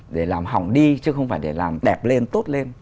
để làm hỏng đi chứ không phải để làm đẹp lên tốt lên